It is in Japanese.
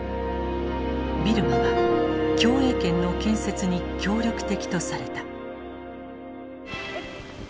ビルマは共栄圏の建設に協力的とされた。